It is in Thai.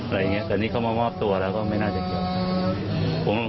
อะไรอย่างนี้แต่นี่เขามามอบตัวแล้วก็ไม่น่าจะเกี่ยว